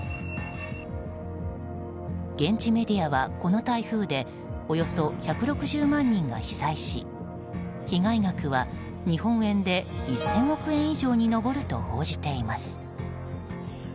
現地メディアは、この台風でおよそ１６０万人が被災し被害額は、日本円で１０００億円以上に上ると報じています。